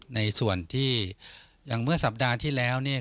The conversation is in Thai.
ในส่วนที่อย่างเมื่อสัปดาห์ที่แล้วเนี่ย